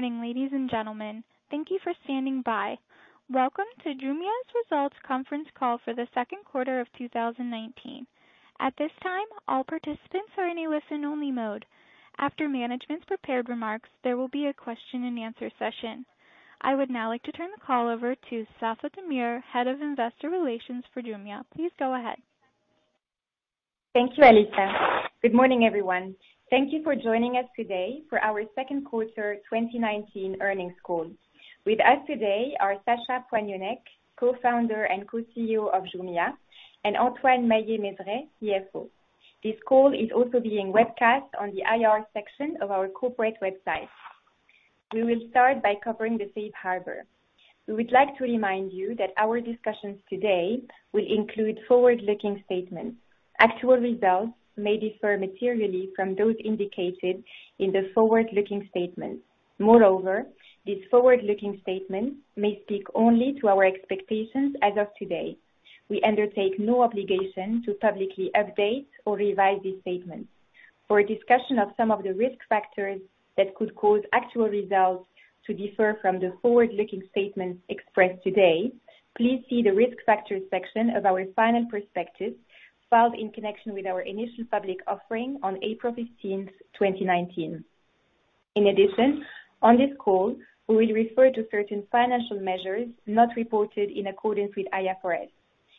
Good morning, ladies and gentlemen. Thank you for standing by. Welcome to Jumia's results conference call for the second quarter of 2019. At this time, all participants are in a listen only mode. After management's prepared remarks, there will be a question and answer session. I would now like to turn the call over to Safae Damir, Head of Investor Relations for Jumia. Please go ahead. Thank you, Alyssa. Good morning, everyone. Thank you for joining us today for our second quarter 2019 earnings call. With us today are Sacha Poignonnec, co-founder and co-CEO of Jumia, and Antoine Maillet-Mezeray, CFO. This call is also being webcast on the IR section of our corporate website. We will start by covering the Safe Harbor. We would like to remind you that our discussions today will include forward-looking statements. Actual results may differ materially from those indicated in the forward-looking statements. Moreover, these forward-looking statements may speak only to our expectations as of today. We undertake no obligation to publicly update or revise these statements. For a discussion of some of the risk factors that could cause actual results to differ from the forward-looking statements expressed today, please see the Risk Factors section of our final prospectus filed in connection with our initial public offering on April 15th, 2019. In addition, on this call, we will refer to certain financial measures not reported in accordance with IFRS.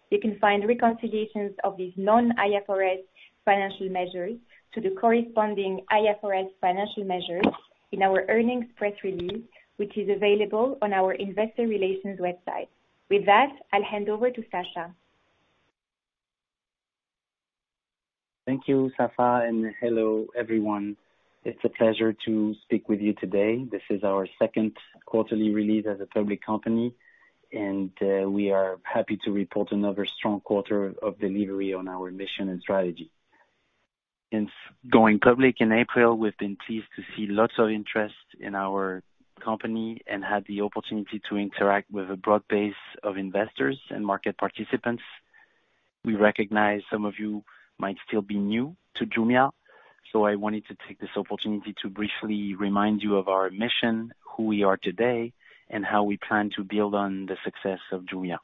You can find reconciliations of these non-IFRS financial measures to the corresponding IFRS financial measures in our earnings press release, which is available on our investor relations website. With that, I'll hand over to Sacha. Thank you, Safae, hello, everyone. It's a pleasure to speak with you today. This is our second quarterly release as a public company, and we are happy to report another strong quarter of delivery on our mission and strategy. Since going public in April, we've been pleased to see lots of interest in our company and had the opportunity to interact with a broad base of investors and market participants. We recognize some of you might still be new to Jumia, I wanted to take this opportunity to briefly remind you of our mission, who we are today, and how we plan to build on the success of Jumia.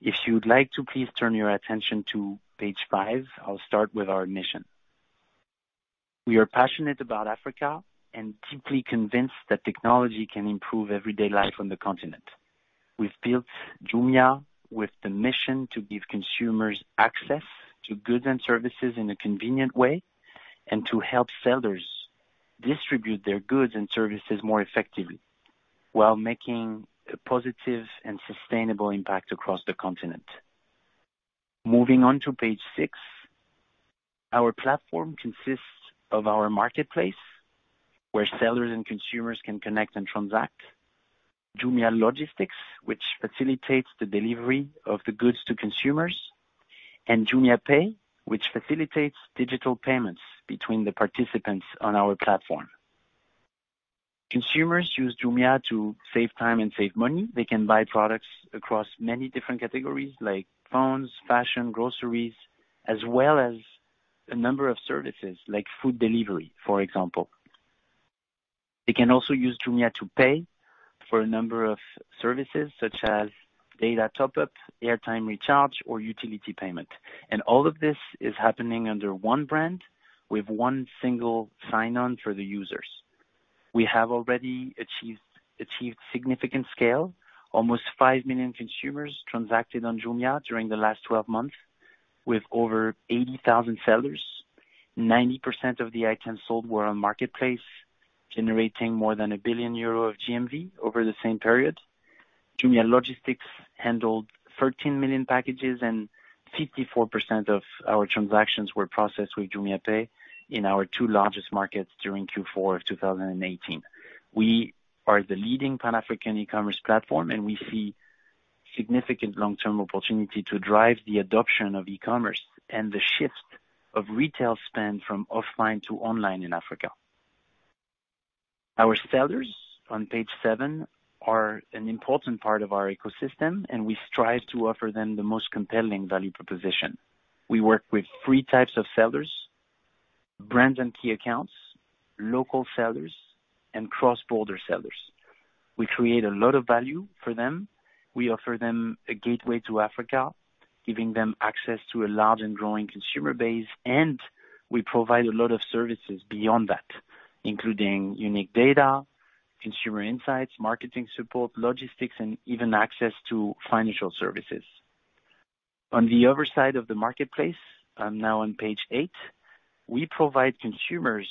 If you'd like to please turn your attention to page five, I'll start with our mission. We are passionate about Africa and deeply convinced that technology can improve everyday life on the continent. We've built Jumia with the mission to give consumers access to goods and services in a convenient way and to help sellers distribute their goods and services more effectively, while making a positive and sustainable impact across the continent. Moving on to page six. Our platform consists of our marketplace, where sellers and consumers can connect and transact. Jumia Logistics, which facilitates the delivery of the goods to consumers, and JumiaPay, which facilitates digital payments between the participants on our platform. Consumers use Jumia to save time and save money. They can buy products across many different categories like phones, fashion, groceries, as well as a number of services like food delivery, for example. They can also use Jumia to pay for a number of services such as data top-up, airtime recharge, or utility payment. All of this is happening under one brand with one single sign-on for the users. We have already achieved significant scale. Almost five million consumers transacted on Jumia during the last 12 months with over 80,000 sellers. 90% of the items sold were on marketplace, generating more than 1 billion euro of GMV over the same period. Jumia Logistics handled 13 million packages and 54% of our transactions were processed with JumiaPay in our two largest markets during Q4 of 2018. We are the leading Pan-African e-commerce platform, and we see significant long-term opportunity to drive the adoption of e-commerce and the shift of retail spend from offline to online in Africa. Our sellers, on page seven, are an important part of our ecosystem, and we strive to offer them the most compelling value proposition. We work with 3 types of sellers: brands and key accounts, local sellers, and cross-border sellers. We create a lot of value for them. We offer them a gateway to Africa, giving them access to a large and growing consumer base, and we provide a lot of services beyond that, including unique data, consumer insights, marketing support, logistics, and even access to financial services. On the other side of the marketplace, I'm now on page eight, we provide consumers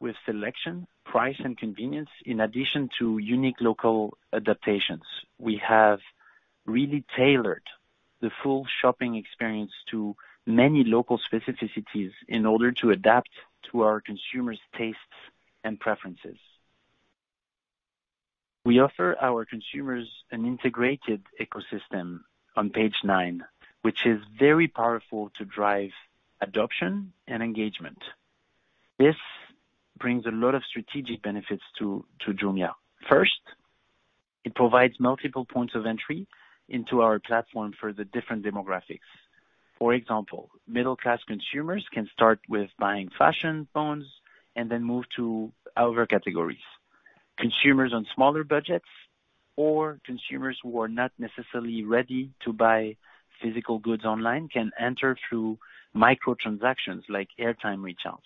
with selection, price, and convenience, in addition to unique local adaptations. We have really tailored the full shopping experience to many local specificities in order to adapt to our consumers' tastes and preferences. We offer our consumers an integrated ecosystem on page nine, which is very powerful to drive adoption and engagement. This brings a lot of strategic benefits to Jumia. First, it provides multiple points of entry into our platform for the different demographics. For example, middle-class consumers can start with buying fashion phones and then move to other categories. Consumers on smaller budgets or consumers who are not necessarily ready to buy physical goods online can enter through micro transactions like airtime recharge,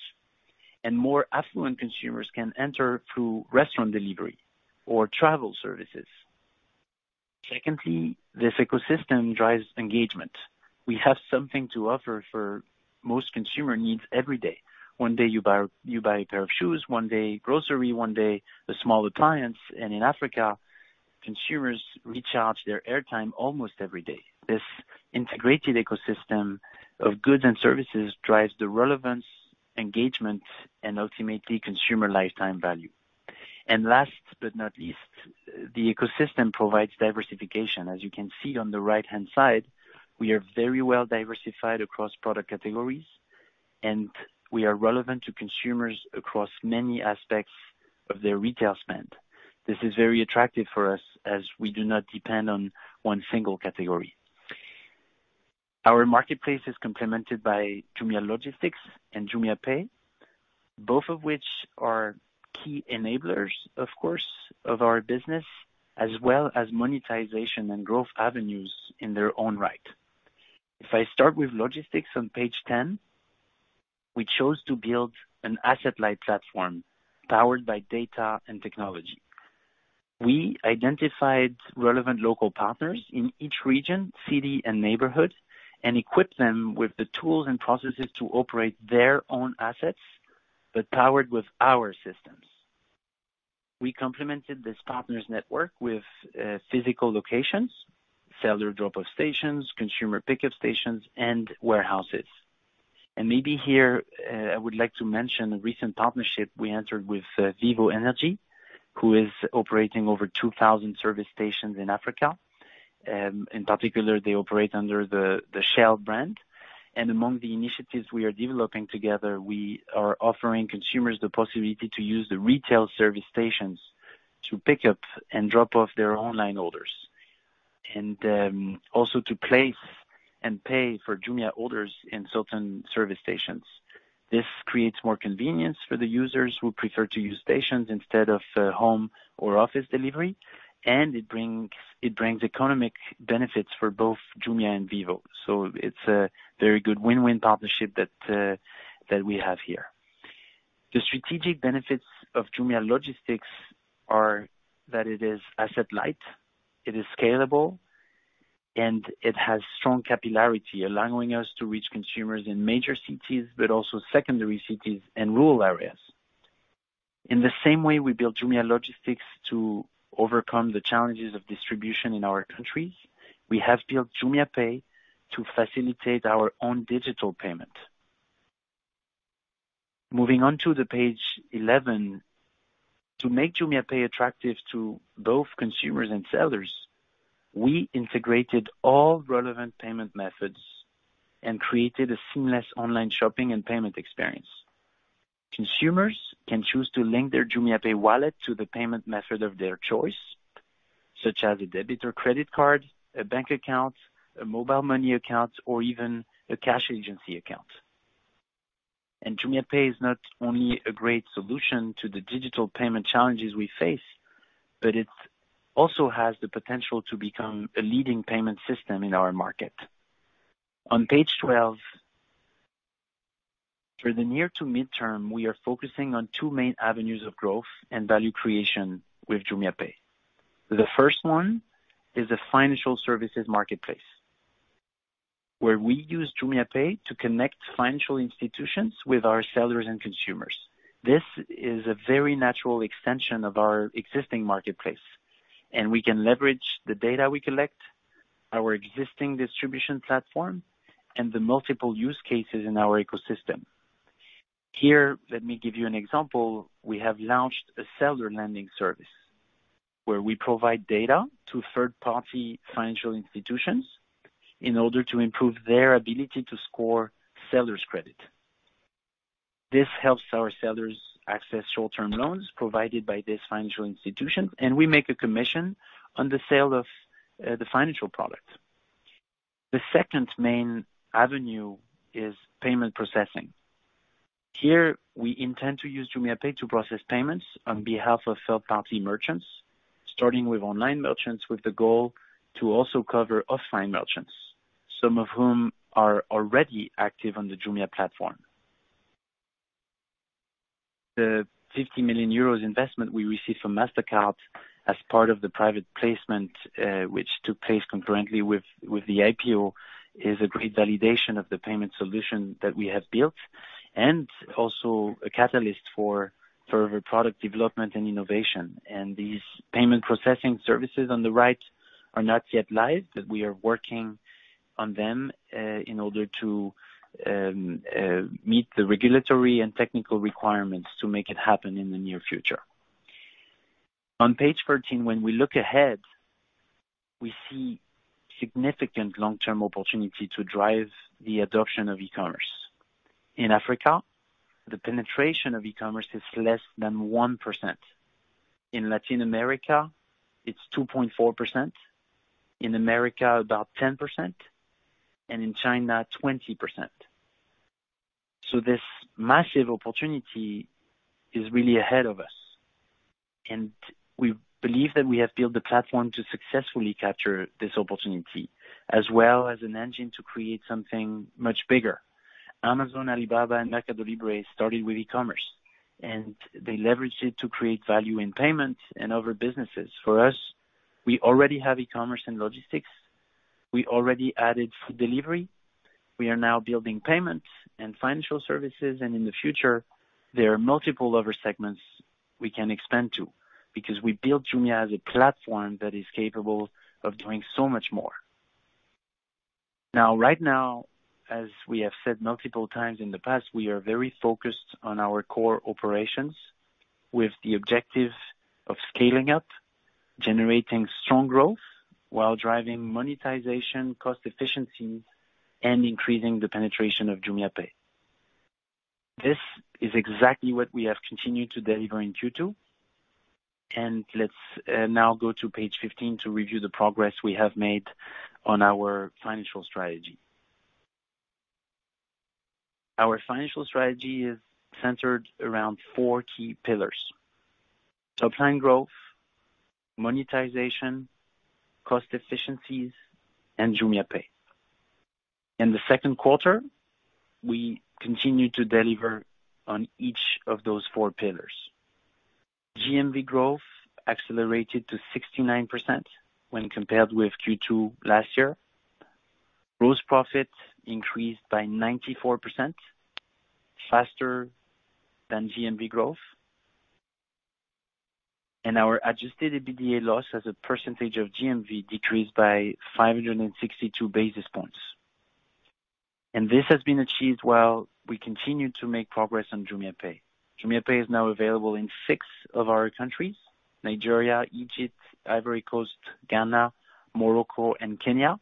and more affluent consumers can enter through restaurant delivery or travel services. Secondly, this ecosystem drives engagement. We have something to offer for most consumer needs every day. One day you buy a pair of shoes, one day grocery, one day the small appliance, and in Africa, consumers recharge their airtime almost every day. This integrated ecosystem of goods and services drives the relevance, engagement, and ultimately consumer lifetime value. Last but not least, the ecosystem provides diversification. As you can see on the right-hand side, we are very well diversified across product categories, and we are relevant to consumers across many aspects of their retail spend. This is very attractive for us as we do not depend on one single category. Our marketplace is complemented by Jumia Logistics and JumiaPay, both of which are key enablers, of course, of our business, as well as monetization and growth avenues in their own right. If I start with logistics on page 10, we chose to build an asset-light platform powered by data and technology. We identified relevant local partners in each region, city, and neighborhood, and equipped them with the tools and processes to operate their own assets, but powered with our systems. We complemented this partners network with physical locations, seller drop-off stations, consumer pickup stations, and warehouses. Maybe here, I would like to mention a recent partnership we entered with Vivo Energy, who is operating over 2,000 service stations in Africa. In particular, they operate under the Shell brand. Among the initiatives we are developing together, we are offering consumers the possibility to use the retail service stations to pick up and drop off their online orders. Also to place and pay for Jumia orders in certain service stations. This creates more convenience for the users who prefer to use stations instead of home or office delivery, and it brings economic benefits for both Jumia and Vivo. It's a very good win-win partnership that we have here. The strategic benefits of Jumia Logistics are that it is asset light, it is scalable, and it has strong capillarity, allowing us to reach consumers in major cities, but also secondary cities and rural areas. In the same way we built Jumia Logistics to overcome the challenges of distribution in our countries, we have built JumiaPay to facilitate our own digital payment. Moving on to page 11. To make JumiaPay attractive to both consumers and sellers, we integrated all relevant payment methods and created a seamless online shopping and payment experience. Consumers can choose to link their JumiaPay wallet to the payment method of their choice, such as a debit or credit card, a bank account, a mobile money account, or even a cash agency account. JumiaPay is not only a great solution to the digital payment challenges we face, but it also has the potential to become a leading payment system in our market. On page 12. For the near to midterm, we are focusing on two main avenues of growth and value creation with JumiaPay. The first one is the financial services marketplace, where we use JumiaPay to connect financial institutions with our sellers and consumers. This is a very natural extension of our existing marketplace, and we can leverage the data we collect, our existing distribution platform, and the multiple use cases in our ecosystem. Here, let me give you an example. We have launched a seller lending service where we provide data to third-party financial institutions in order to improve their ability to score sellers' credit. This helps our sellers access short-term loans provided by this financial institution, and we make a commission on the sale of the financial product. The second main avenue is payment processing. Here, we intend to use JumiaPay to process payments on behalf of third-party merchants, starting with online merchants with the goal to also cover offline merchants. Some of whom are already active on the Jumia platform. The 50 million euros investment we received from Mastercard as part of the private placement, which took place concurrently with the IPO, is a great validation of the payment solution that we have built and also a catalyst for further product development and innovation. These payment processing services on the right are not yet live, but we are working on them, in order to meet the regulatory and technical requirements to make it happen in the near future. On page 13, when we look ahead, we see significant long-term opportunity to drive the adoption of e-commerce. In Africa, the penetration of e-commerce is less than 1%. In Latin America, it's 2.4%. In America, about 10%, and in China, 20%. This massive opportunity is really ahead of us, and we believe that we have built the platform to successfully capture this opportunity, as well as an engine to create something much bigger. Amazon, Alibaba, and Mercado Libre started with e-commerce, and they leveraged it to create value in payments and other businesses. For us, we already have e-commerce and logistics. We already added food delivery. We are now building payments and financial services, and in the future, there are multiple other segments we can expand to, because we built Jumia as a platform that is capable of doing so much more. Right now, as we have said multiple times in the past, we are very focused on our core operations with the objective of scaling up, generating strong growth while driving monetization, cost efficiencies, and increasing the penetration of JumiaPay. This is exactly what we have continued to deliver in Q2. Let's now go to page 15 to review the progress we have made on our financial strategy. Our financial strategy is centered around four key pillars. Top line growth, monetization, cost efficiencies, and JumiaPay. In the second quarter, we continued to deliver on each of those four pillars. GMV growth accelerated to 69% when compared with Q2 last year. Gross profit increased by 94%, faster than GMV growth. Our adjusted EBITDA loss as a percentage of GMV decreased by 562 basis points. This has been achieved while we continue to make progress on JumiaPay. JumiaPay is now available in six of our countries, Nigeria, Egypt, Ivory Coast, Ghana, Morocco, and Kenya,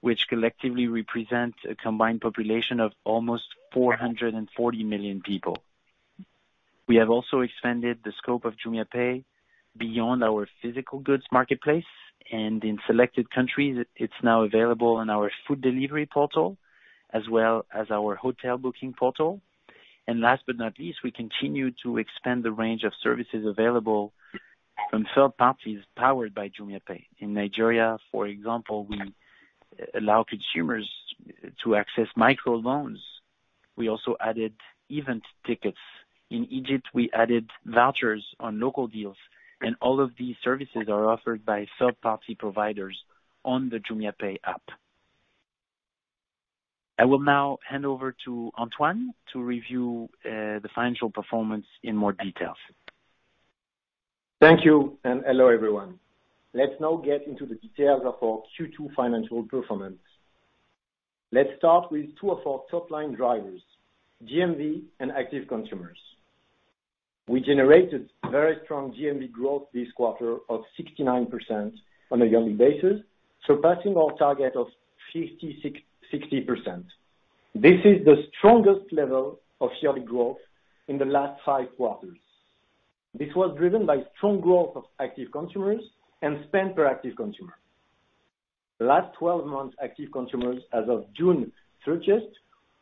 which collectively represent a combined population of almost 440 million people. We have also expanded the scope of JumiaPay beyond our physical goods marketplace, and in selected countries, it's now available on our food delivery portal, as well as our hotel booking portal. Last but not least, we continue to expand the range of services available from third parties powered by JumiaPay. In Nigeria, for example, we allow consumers to access micro loans. We also added event tickets. In Egypt, we added vouchers on local deals, and all of these services are offered by third-party providers on the JumiaPay app. I will now hand over to Antoine to review the financial performance in more details. Thank you, and hello, everyone. Let's now get into the details of our Q2 financial performance. Let's start with two of our top line drivers, GMV and active consumers. We generated very strong GMV growth this quarter of 69% on a yearly basis, surpassing our target of 60%. This is the strongest level of yearly growth in the last five quarters. This was driven by strong growth of active consumers and spend per active consumer. The last 12 months, active consumers as of June 30th,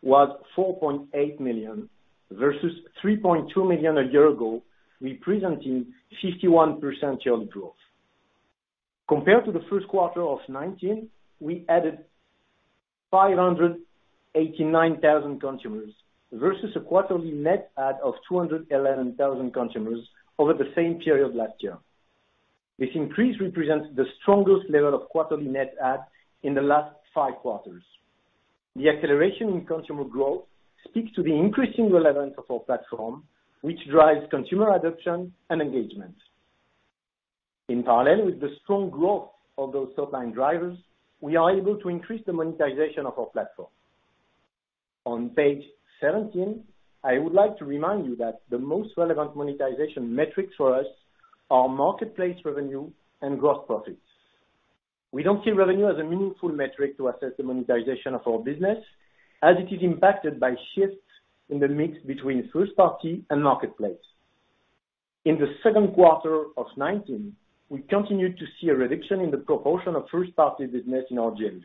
was 4.8 million versus 3.2 million a year ago, representing 51% yearly growth. Compared to the first quarter of 2019, we added 589,000 consumers versus a quarterly net add of 211,000 consumers over the same period last year. This increase represents the strongest level of quarterly net add in the last five quarters. The acceleration in consumer growth speaks to the increasing relevance of our platform, which drives consumer adoption and engagement. In parallel with the strong growth of those top-line drivers, we are able to increase the monetization of our platform. On page 17, I would like to remind you that the most relevant monetization metrics for us are marketplace revenue and gross profits. We don't see revenue as a meaningful metric to assess the monetization of our business, as it is impacted by shifts in the mix between first party and marketplace. In the second quarter of 2019, we continued to see a reduction in the proportion of first party business in our GMV.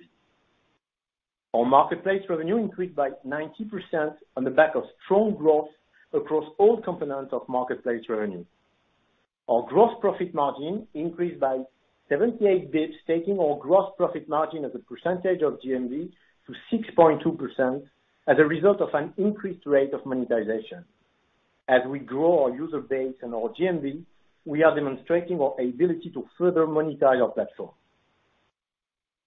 Our marketplace revenue increased by 90% on the back of strong growth across all components of marketplace revenue. Our gross profit margin increased by 78 basis points, taking our gross profit margin as a percentage of GMV to 6.2% as a result of an increased rate of monetization. As we grow our user base and our GMV, we are demonstrating our ability to further monetize our platform.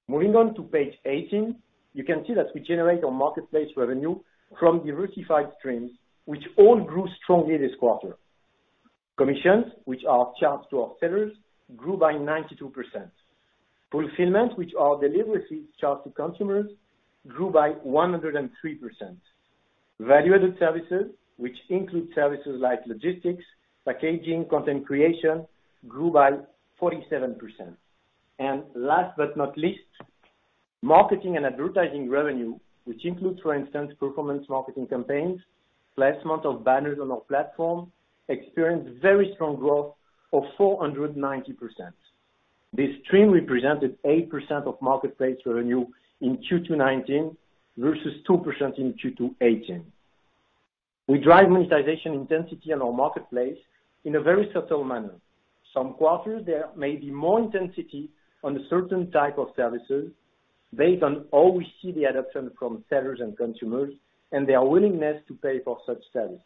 Moving on to page 18, you can see that we generate our marketplace revenue from diversified streams, which all grew strongly this quarter. Commissions, which are charged to our sellers, grew by 92%. Fulfillment, which are delivery fees charged to consumers, grew by 103%. Value-added services, which include services like logistics, packaging, content creation, grew by 47%. Last but not least, marketing and advertising revenue, which includes, for instance, performance marketing campaigns, placement of banners on our platform, experienced very strong growth of 490%. This stream represented 8% of marketplace revenue in Q2 '19 versus 2% in Q2 '18. We drive monetization intensity on our marketplace in a very subtle manner. Some quarters, there may be more intensity on a certain type of services based on how we see the adoption from sellers and consumers and their willingness to pay for such service.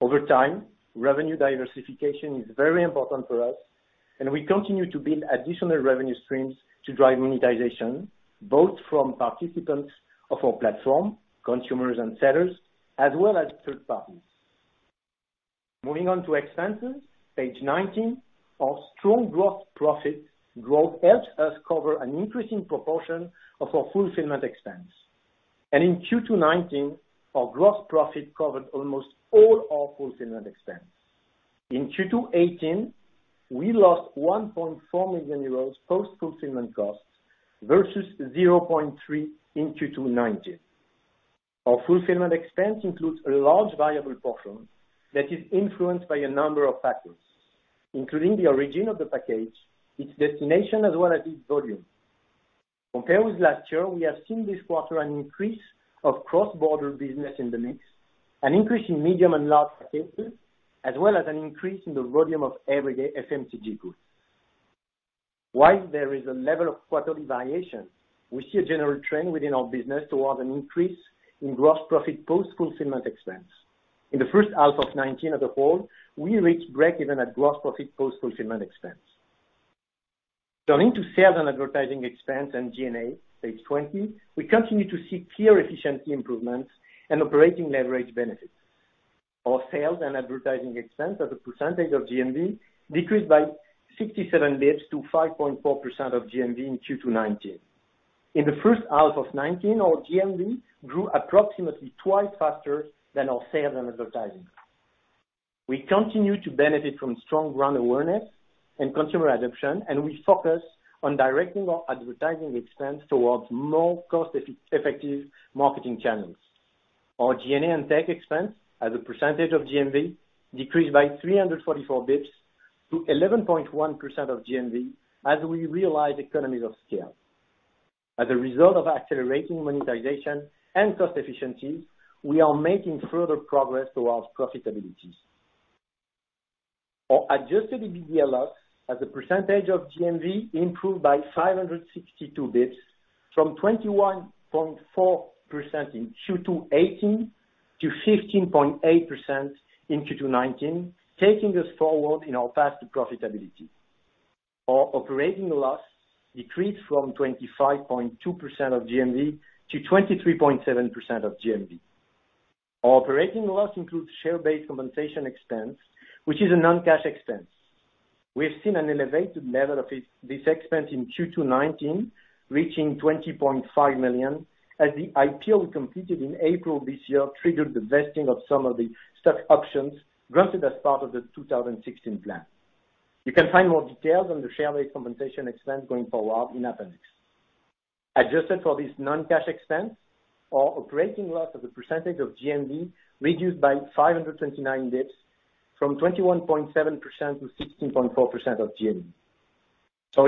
Over time, revenue diversification is very important for us, and we continue to build additional revenue streams to drive monetization, both from participants of our platform, consumers and sellers, as well as third parties. Moving on to expenses, page 19. Our strong gross profit growth helps us cover an increasing proportion of our fulfillment expense. In Q2 2019, our gross profit covered almost all our fulfillment expense. In Q2 2018, we lost 1.4 million euros post-fulfillment costs versus 0.3 in Q2 2019. Our fulfillment expense includes a large variable portion that is influenced by a number of factors, including the origin of the package, its destination, as well as its volume. Compared with last year, we have seen this quarter an increase of cross-border business in the mix, an increase in medium and large packages, as well as an increase in the volume of everyday FMCG goods. While there is a level of quarterly variation, we see a general trend within our business toward an increase in gross profit post-fulfillment expense. In the first half of 2019 as a whole, we reached break-even at gross profit post-fulfillment expense. Turning to sales and advertising expense and G&A, page 20, we continue to see clear efficiency improvements and operating leverage benefits. Our sales and advertising expense as a percentage of GMV decreased by 67 basis points to 5.4% of GMV in Q2 2019. In the first half of 2019, our GMV grew approximately twice faster than our sales and advertising. We continue to benefit from strong brand awareness and consumer adoption. We focus on directing our advertising expense towards more cost-effective marketing channels. Our G&A and tech expense as a percentage of GMV decreased by 344 basis points to 11.1% of GMV as we realize economies of scale. As a result of accelerating monetization and cost efficiencies, we are making further progress towards profitability. Our adjusted EBITDA as a percentage of GMV improved by 562 basis points from 21.4% in Q2 2018 to 15.8% in Q2 2019, taking us forward in our path to profitability. Our operating loss decreased from 25.2% of GMV to 23.7% of GMV. Our operating loss includes share-based compensation expense, which is a non-cash expense. We have seen an elevated level of this expense in Q2 2019, reaching $20.5 million, as the IPO we completed in April this year triggered the vesting of some of the stock options granted as part of the 2016 plan. You can find more details on the share-based compensation expense going forward in appendix. Adjusted for this non-cash expense, our operating loss as a percentage of GMV reduced by 529 basis points from 21.7% to 16.4% of GMV.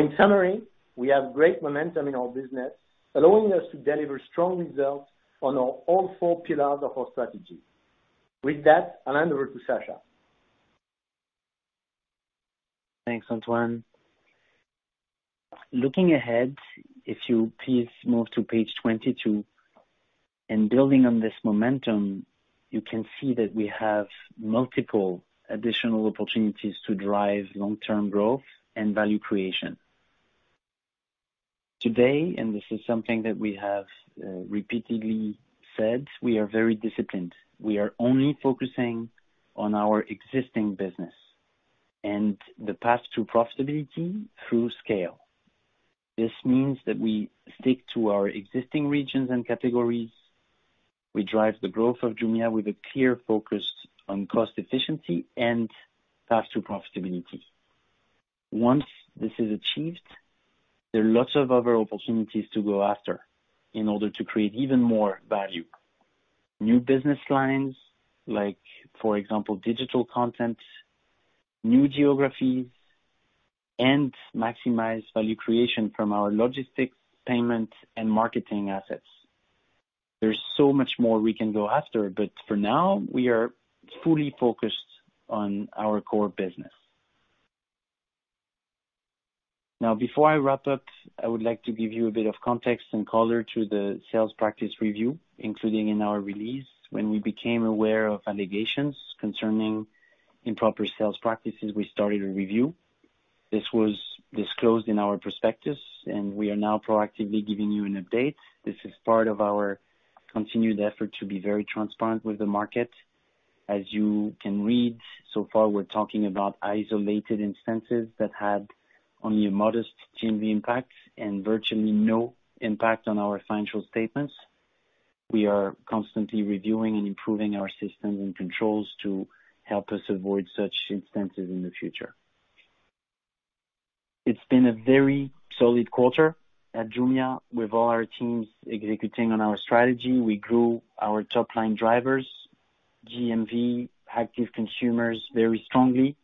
In summary, we have great momentum in our business, allowing us to deliver strong results on all four pillars of our strategy. With that, I'll hand over to Sacha. Thanks, Antoine. Looking ahead, if you please move to page 22. In building on this momentum, you can see that we have multiple additional opportunities to drive long-term growth and value creation. Today, and this is something that we have repeatedly said, we are very disciplined. We are only focusing on our existing business and the path to profitability through scale. This means that we stick to our existing regions and categories. We drive the growth of Jumia with a clear focus on cost efficiency and path to profitability. Once this is achieved, there are lots of other opportunities to go after in order to create even more value. New business lines, like, for example, digital content, new geographies, and maximize value creation from our logistics, payment, and marketing assets. There's so much more we can go after, but for now, we are fully focused on our core business. Before I wrap up, I would like to give you a bit of context and color to the sales practice review, including in our release. When we became aware of allegations concerning improper sales practices, we started a review. This was disclosed in our prospectus, and we are now proactively giving you an update. This is part of our continued effort to be very transparent with the market. As you can read, so far, we're talking about isolated instances that had only a modest GMV impact and virtually no impact on our financial statements. We are constantly reviewing and improving our systems and controls to help us avoid such instances in the future. It's been a very solid quarter at Jumia, with all our teams executing on our strategy. We grew our top-line drivers, GMV, active consumers, very strongly.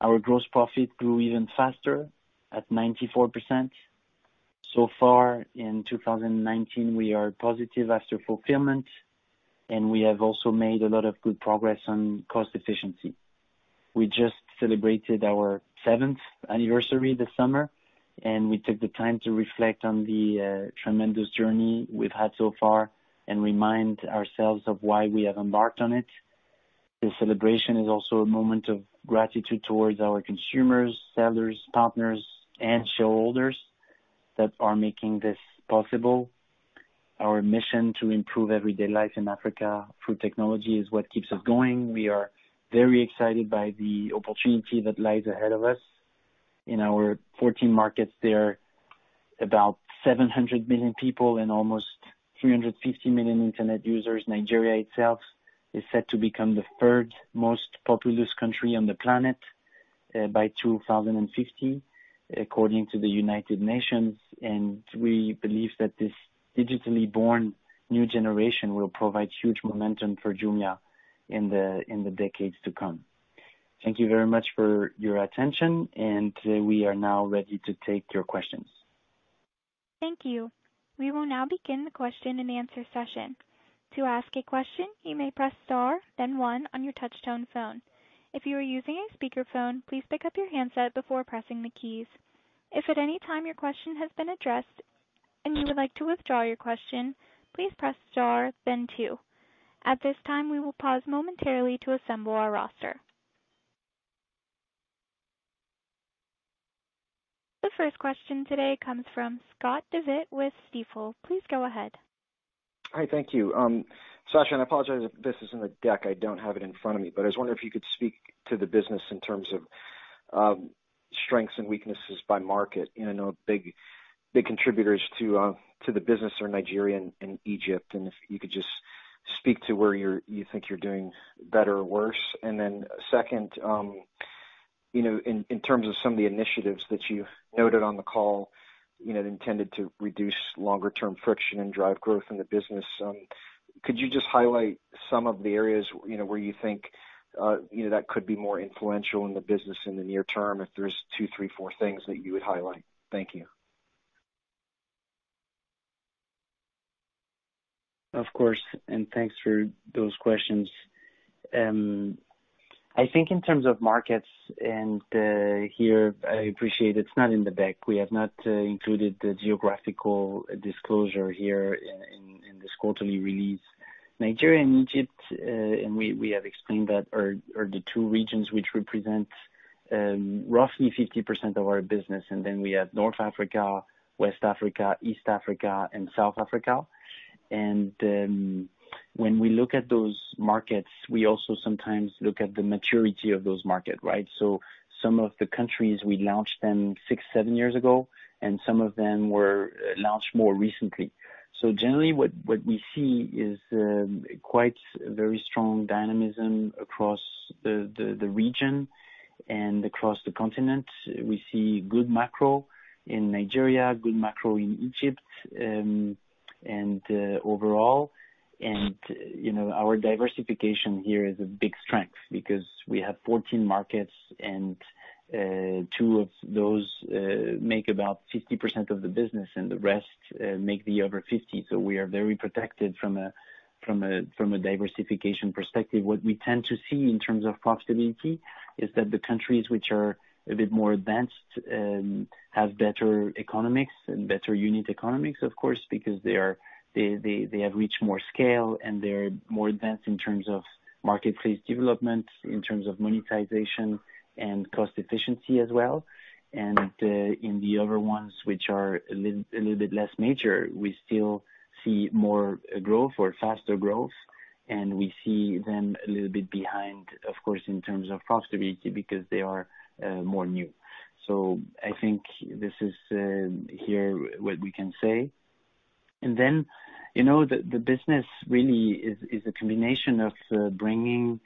Our gross profit grew even faster, at 94%. Far in 2019, we are positive after fulfillment, and we have also made a lot of good progress on cost efficiency. We just celebrated our seventh anniversary this summer, and we took the time to reflect on the tremendous journey we've had so far and remind ourselves of why we have embarked on it. The celebration is also a moment of gratitude towards our consumers, sellers, partners, and shareholders that are making this possible. Our mission to improve everyday life in Africa through technology is what keeps us going. We are very excited by the opportunity that lies ahead of us. In our 14 markets, there are about 700 million people and almost 350 million Internet users. Nigeria itself is set to become the third most populous country on the planet by 2050, according to the United Nations. We believe that this digitally born new generation will provide huge momentum for Jumia in the decades to come. Thank you very much for your attention. We are now ready to take your questions. Thank you. We will now begin the question and answer session. To ask a question, you may press star, then one on your touchtone phone. If you are using a speakerphone, please pick up your handset before pressing the keys. If at any time your question has been addressed and you would like to withdraw your question, please press star, then two. At this time, we will pause momentarily to assemble our roster. The first question today comes from Scott Devitt with Stifel. Please go ahead. Hi. Thank you. Sacha, I apologize if this is in the deck, I don't have it in front of me, but I was wondering if you could speak to the business in terms of strengths and weaknesses by market. I know big contributors to the business are Nigeria and Egypt, if you could just speak to where you think you're doing better or worse. Second, in terms of some of the initiatives that you've noted on the call, intended to reduce longer-term friction and drive growth in the business, could you just highlight some of the areas where you think that could be more influential in the business in the near term, if there's two, three, four things that you would highlight? Thank you. Of course, thanks for those questions. I think in terms of markets, and here, I appreciate it's not in the deck. We have not included the geographical disclosure here in this quarterly release. Nigeria and Egypt, and we have explained that, are the two regions which represent roughly 50% of our business, and then we have North Africa, West Africa, East Africa, and South Africa. When we look at those markets, we also sometimes look at the maturity of those markets, right? Some of the countries, we launched them six, seven years ago, and some of them were launched more recently. Generally, what we see is quite a very strong dynamism across the region and across the continent. We see good macro in Nigeria, good macro in Egypt, overall. Our diversification here is a big strength because we have 14 markets, and two of those make about 50% of the business, and the rest make the other 50%. We are very protected from a diversification perspective. What we tend to see in terms of profitability is that the countries which are a bit more advanced have better economics and better unit economics, of course, because they have reached more scale, and they're more advanced in terms of marketplace development, in terms of monetization and cost efficiency as well. In the other ones, which are a little bit less mature, we still see more growth or faster growth, and we see them a little bit behind, of course, in terms of profitability, because they are more new. I think this is here what we can say. The business really is a combination of bringing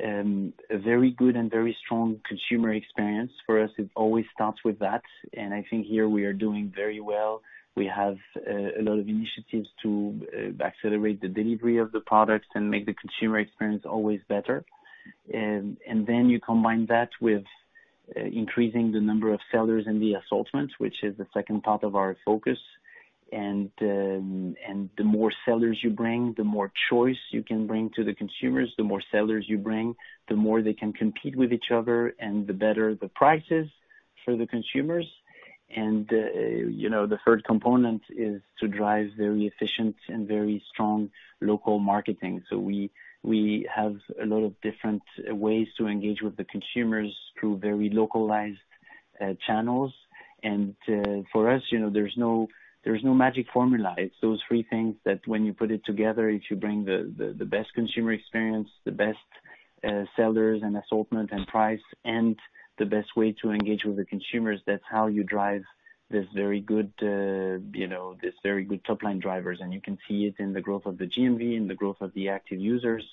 a very good and very strong consumer experience. For us, it always starts with that, and I think here we are doing very well. We have a lot of initiatives to accelerate the delivery of the products and make the consumer experience always better. You combine that with increasing the number of sellers and the assortment, which is the second part of our focus. The more sellers you bring, the more choice you can bring to the consumers. The more sellers you bring, the more they can compete with each other and the better the prices for the consumers. The third component is to drive very efficient and very strong local marketing. We have a lot of different ways to engage with the consumers through very localized channels. For us, there's no magic formula. It's those three things that when you put it together, if you bring the best consumer experience, the best sellers and assortment and price, and the best way to engage with the consumers, that's how you drive these very good top-line drivers. You can see it in the growth of the GMV, in the growth of the active users.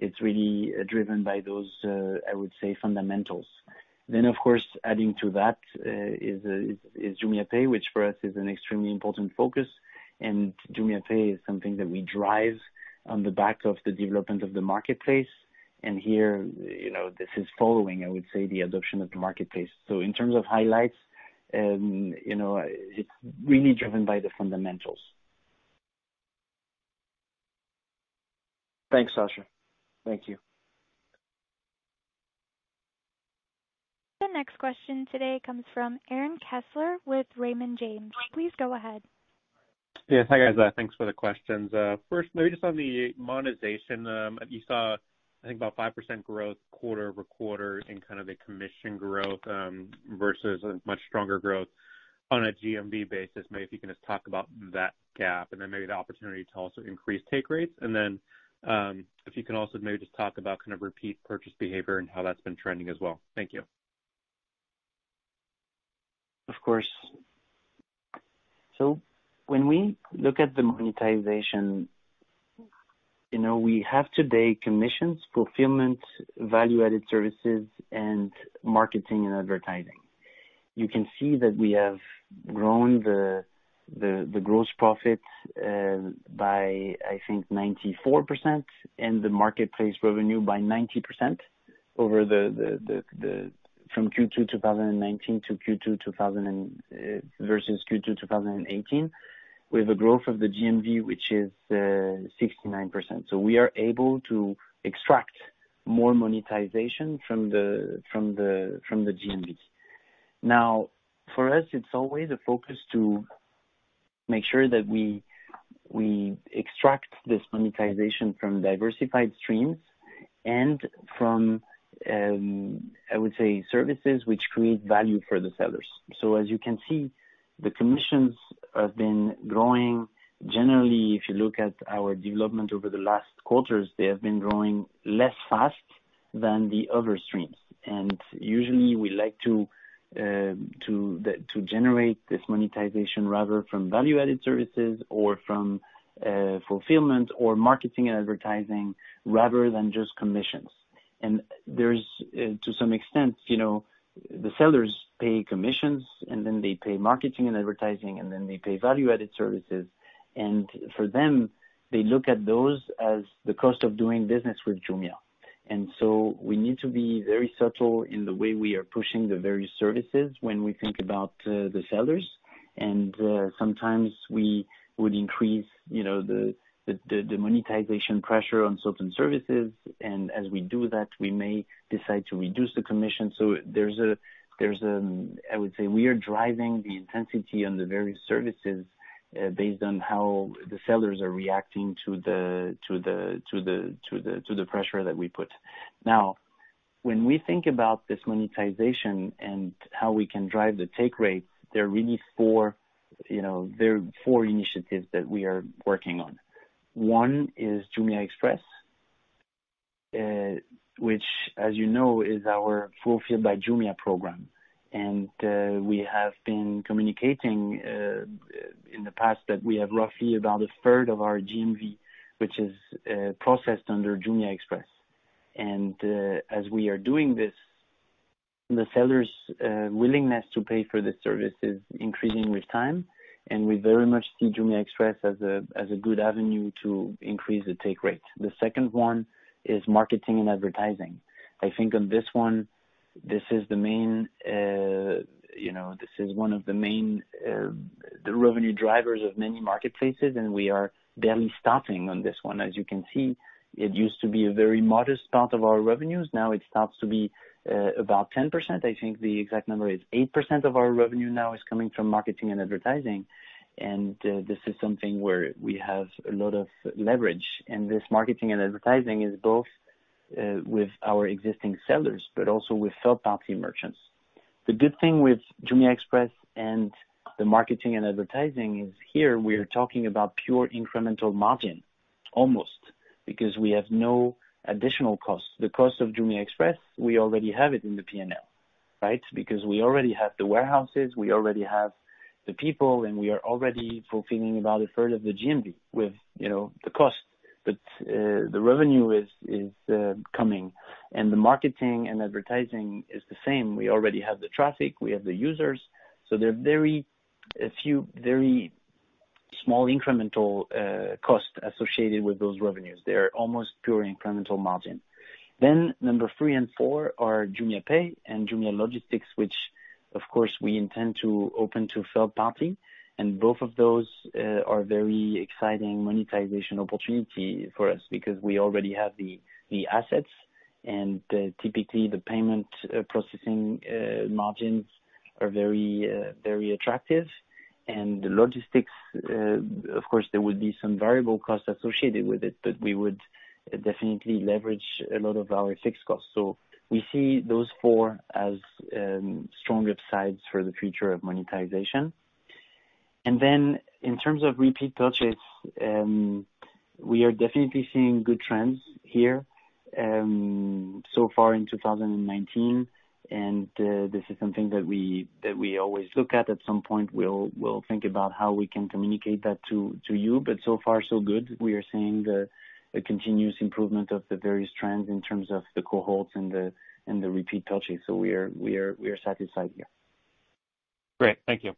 It's really driven by those, I would say, fundamentals. Of course, adding to that is JumiaPay, which for us is an extremely important focus. JumiaPay is something that we drive on the back of the development of the marketplace. Here, this is following, I would say, the adoption of the marketplace. In terms of highlights, it's really driven by the fundamentals. Thanks, Sacha. Thank you. The next question today comes from Aaron Kessler with Raymond James. Please go ahead. Yes. Hi, guys. Thanks for the questions. Maybe just on the monetization. You saw, I think about 5% growth quarter-over-quarter in kind of a commission growth, versus a much stronger growth on a GMV basis. Maybe if you can just talk about that gap, maybe the opportunity to also increase take rates. If you can also maybe just talk about kind of repeat purchase behavior and how that's been trending as well. Thank you. Of course. When we look at the monetization, we have today commissions, fulfillment, value-added services, and marketing and advertising. You can see that we have grown the gross profit by, I think, 94%, and the marketplace revenue by 90% from Q2 2019 versus Q2 2018, with a growth of the GMV, which is 69%. We are able to extract more monetization from the GMV. Now, for us, it's always a focus to make sure that we extract this monetization from diversified streams and from, I would say, services which create value for the sellers. As you can see, the commissions have been growing. Generally, if you look at our development over the last quarters, they have been growing less fast than the other streams. Usually, we like to generate this monetization rather from value-added services or from fulfillment or marketing and advertising, rather than just commissions. There's, to some extent, the sellers pay commissions, then they pay marketing and advertising, then they pay value-added services. For them, they look at those as the cost of doing business with Jumia. We need to be very subtle in the way we are pushing the various services when we think about the sellers. Sometimes we would increase the monetization pressure on certain services. As we do that, we may decide to reduce the commission. I would say, we are driving the intensity on the various services based on how the sellers are reacting to the pressure that we put. Now, when we think about this monetization and how we can drive the take rates, there are four initiatives that we are working on. One is Jumia Express, which as you know, is our Fulfilled by Jumia program. We have been communicating in the past that we have roughly about a third of our GMV, which is processed under Jumia Express. As we are doing this, the sellers' willingness to pay for this service is increasing with time, and we very much see Jumia Express as a good avenue to increase the take rate. The second one is marketing and advertising. I think on this one, this is one of the main revenue drivers of many marketplaces, and we are barely starting on this one. As you can see, it used to be a very modest part of our revenues. Now it starts to be about 10%. I think the exact number is 8% of our revenue now is coming from marketing and advertising, and this is something where we have a lot of leverage. This marketing and advertising is both with our existing sellers, but also with third-party merchants. The good thing with Jumia Express and the marketing and advertising is here, we are talking about pure incremental margin, almost, because we have no additional costs. The cost of Jumia Express, we already have it in the P&L, right? Because we already have the warehouses, we already have the people, and we are already fulfilling about a third of the GMV with the cost. The revenue is coming, and the marketing and advertising is the same. We already have the traffic, we have the users. There are very few, very small incremental costs associated with those revenues. They're almost pure incremental margin. Number three and four are JumiaPay and Jumia Logistics, which of course, we intend to open to third party. Both of those are very exciting monetization opportunity for us because we already have the assets, and typically, the payment processing margins are very attractive. The logistics, of course, there would be some variable costs associated with it, but we would definitely leverage a lot of our fixed costs. We see those four as strong upsides for the future of monetization. Then in terms of repeat purchase, we are definitely seeing good trends here so far in 2019, and this is something that we always look at. At some point, we'll think about how we can communicate that to you. So far so good. We are seeing the continuous improvement of the various trends in terms of the cohorts and the repeat purchase. We are satisfied here. Great. Thank you.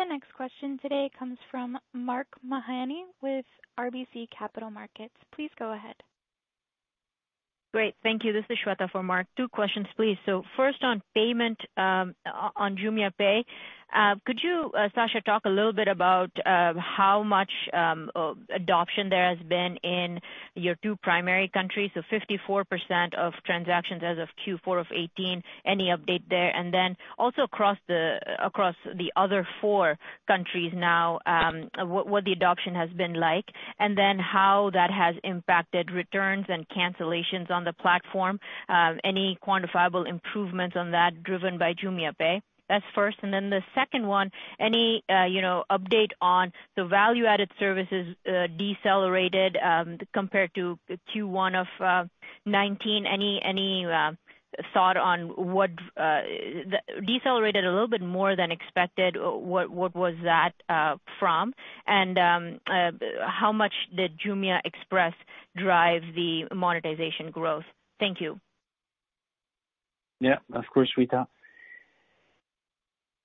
The next question today comes from Mark Mahaney with RBC Capital Markets. Please go ahead. Great. Thank you. This is Shweta for Mark. Two questions, please. First, on payment on JumiaPay, could you, Sacha, talk a little bit about how much adoption there has been in your two primary countries? 54% of transactions as of Q4 of 2018. Any update there? Also across the other four countries now, what the adoption has been like, and then how that has impacted returns and cancellations on the platform. Any quantifiable improvements on that driven by JumiaPay? That's first. Then the second one, any update on the value-added services decelerated compared to Q1 of 2019? Any thought on what decelerated a little bit more than expected, what was that from? How much did Jumia Express drive the monetization growth? Thank you. Yeah. Of course,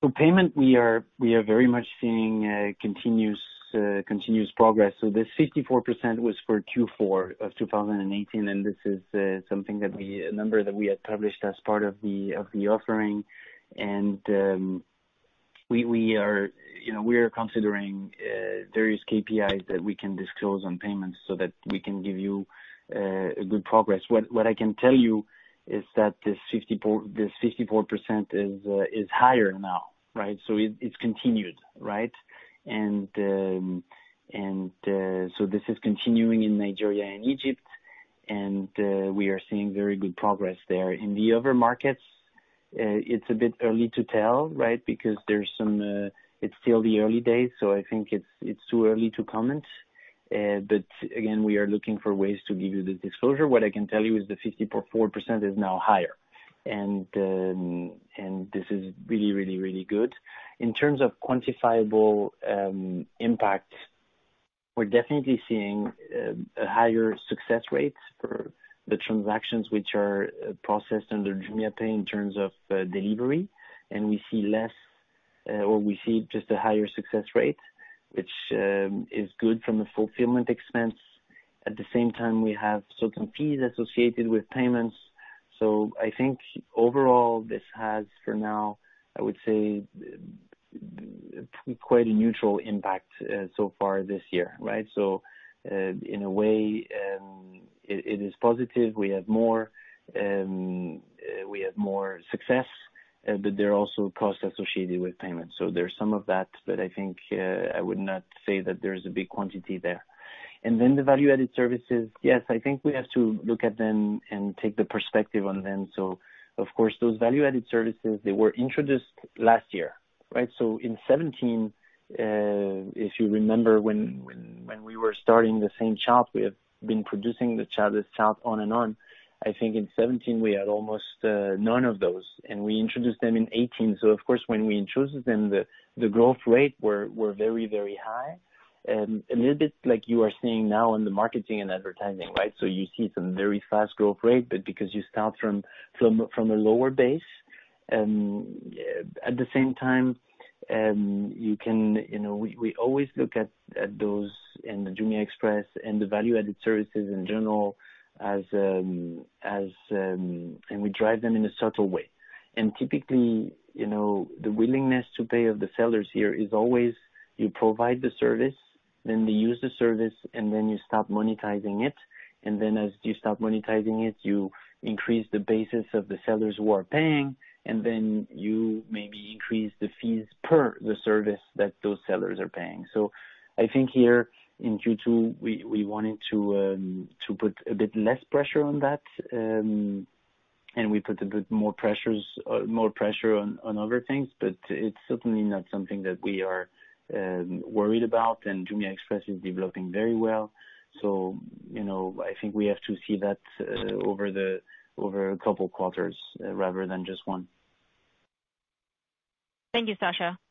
Shweta. Payment, we are very much seeing continuous progress. This 54% was for Q4 of 2018, this is a number that we had published as part of the offering. We are considering various KPIs that we can disclose on payments so that we can give you a good progress. What I can tell you is that this 54% is higher now. It's continued. This is continuing in Nigeria and Egypt, we are seeing very good progress there. In the other markets, it's a bit early to tell because it's still the early days, I think it's too early to comment. Again, we are looking for ways to give you the disclosure. What I can tell you is the 54% is now higher, this is really, really, really good. In terms of quantifiable impact, we're definitely seeing higher success rates for the transactions which are processed under JumiaPay in terms of delivery, and we see just a higher success rate, which is good from a fulfillment expense. At the same time, we have certain fees associated with payments. Overall, this has, for now, I would say, quite a neutral impact so far this year. In a way, it is positive. We have more success, but there are also costs associated with payments. There's some of that, but I think I would not say that there's a big quantity there. The value-added services, yes, I think we have to look at them and take the perspective on them. Of course, those value-added services, they were introduced last year. In 2017, if you remember when we were starting the same shop, we have been producing the shop on and on. I think in 2017, we had almost none of those, and we introduced them in 2018. Of course, when we introduced them, the growth rate were very, very high. A little bit like you are seeing now in the marketing and advertising. You see some very fast growth rate, but because you start from a lower base. At the same time, we always look at those in the Jumia Express and the value-added services in general, and we drive them in a subtle way. Typically, the willingness to pay of the sellers here is always you provide the service, then they use the service, and then you start monetizing it. As you start monetizing it, you increase the basis of the sellers who are paying, and then you maybe increase the fees per the service that those sellers are paying. I think here in Q2, we wanted to put a bit less pressure on that, and we put a bit more pressure on other things, but it's certainly not something that we are worried about, and Jumia Express is developing very well. I think we have to see that over a couple of quarters rather than just one. Thank you, Sacha. The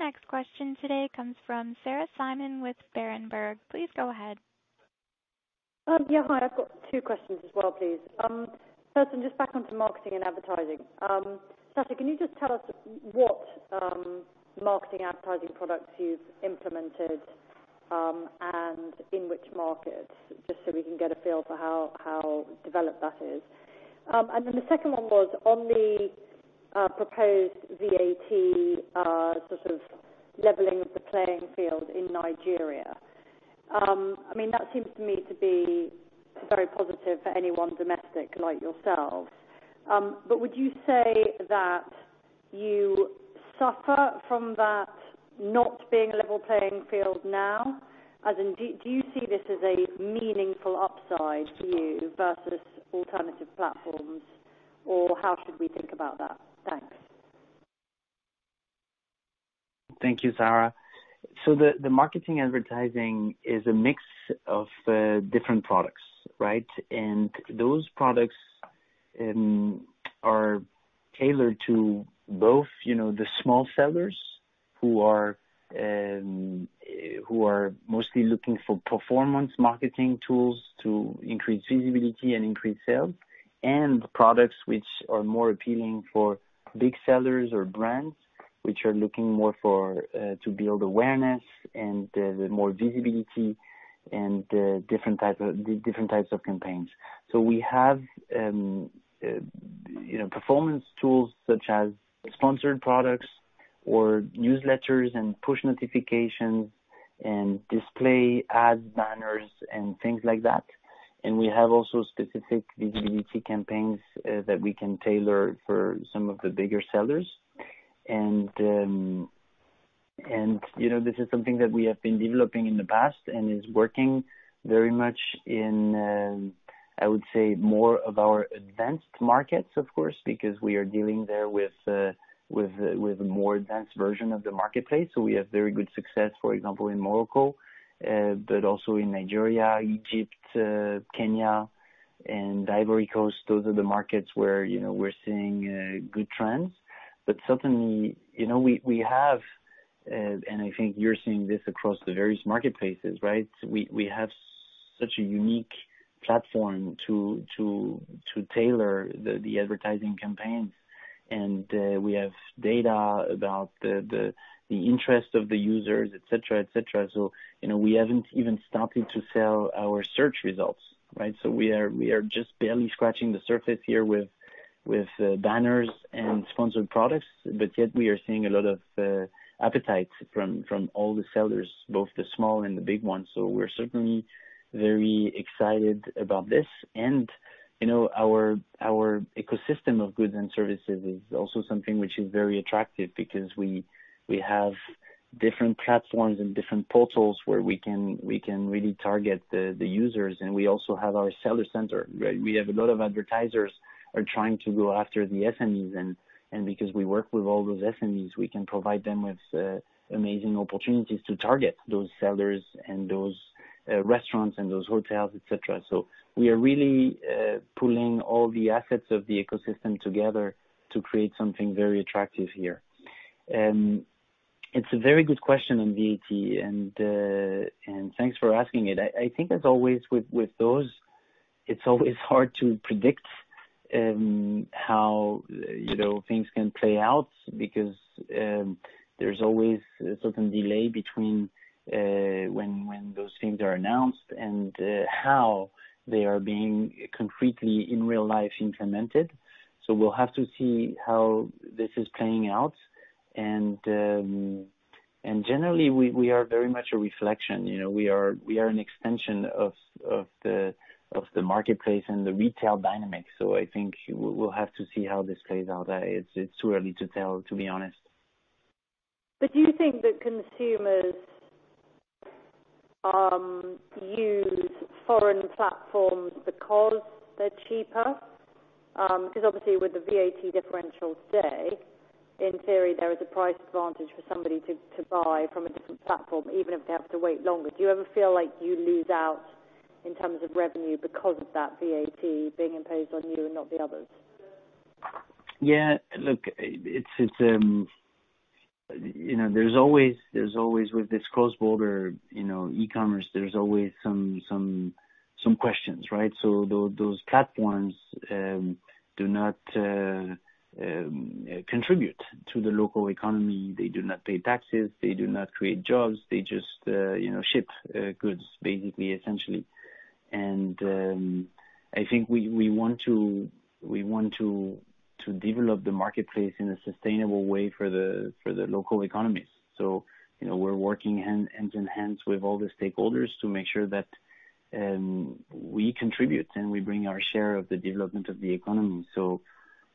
next question today comes from Sarah Simon with Berenberg. Please go ahead. Yeah. Hi, I've got two questions as well, please. First one, just back onto marketing and advertising. Sacha, can you just tell us what marketing advertising products you've implemented, and in which markets, just so we can get a feel for how developed that is? The second one was on the proposed VAT sort of leveling of the playing field in Nigeria. That seems to me to be very positive for anyone domestic like yourselves. Would you say that you suffer from that not being a level playing field now? Do you see this as a meaningful upside for you versus alternative platforms, or how should we think about that? Thanks. Thank you, Sarah. The marketing advertising is a mix of different products, right? Those products are tailored to both the small sellers, who are mostly looking for performance marketing tools to increase visibility and increase sales. Products which are more appealing for big sellers or brands, which are looking more to build awareness and more visibility and the different types of campaigns. We have performance tools such as sponsored products or newsletters and push notifications and display ad banners and things like that. We have also specific visibility campaigns that we can tailor for some of the bigger sellers. This is something that we have been developing in the past and is working very much in, I would say, more of our advanced markets, of course, because we are dealing there with a more advanced version of the marketplace. We have very good success, for example, in Morocco, but also in Nigeria, Egypt, Kenya, and Ivory Coast. Those are the markets where we're seeing good trends. Certainly, we have, and I think you're seeing this across the various marketplaces, right? We have such a unique platform to tailor the advertising campaigns, and we have data about the interest of the users, et cetera. We haven't even started to sell our search results, right? We are just barely scratching the surface here with banners and sponsored products. Yet we are seeing a lot of appetite from all the sellers, both the small and the big ones. We're certainly very excited about this. Our ecosystem of goods and services is also something which is very attractive because we have different platforms and different portals where we can really target the users. We also have our seller center, right? We have a lot of advertisers are trying to go after the SMEs, and because we work with all those SMEs, we can provide them with amazing opportunities to target those sellers and those restaurants and those hotels, et cetera. We are really pulling all the assets of the ecosystem together to create something very attractive here. It's a very good question on VAT, and thanks for asking it. I think, as always with those, it's always hard to predict how things can play out because there's always a certain delay between when those things are announced and how they are being concretely, in real life, implemented. We'll have to see how this is playing out. Generally, we are very much a reflection. We are an extension of the marketplace and the retail dynamic. I think we'll have to see how this plays out. It's too early to tell, to be honest. Do you think that consumers use foreign platforms because they're cheaper? Obviously with the VAT differential today, in theory, there is a price advantage for somebody to buy from a different platform, even if they have to wait longer. Do you ever feel like you lose out in terms of revenue because of that VAT being imposed on you and not the others? Look, there's always with this cross-border e-commerce, there's always some questions, right? Those platforms do not contribute to the local economy. They do not pay taxes. They do not create jobs. They just ship goods, basically, essentially. I think we want to develop the marketplace in a sustainable way for the local economies. We're working hand in hand with all the stakeholders to make sure that we contribute, and we bring our share of the development of the economy.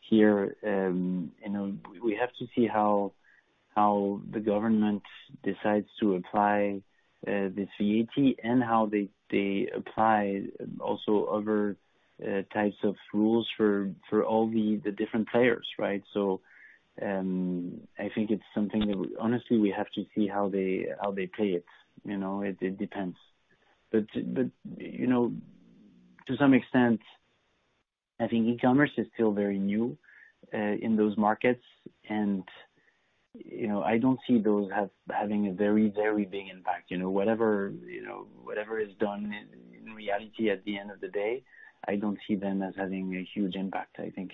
Here, we have to see how the government decides to apply this VAT and how they apply also other types of rules for all the different players, right? I think it's something that honestly, we have to see how they play it. It depends. To some extent, I think e-commerce is still very new in those markets, and I don't see those having a very big impact. Whatever is done in reality at the end of the day, I don't see them as having a huge impact. I think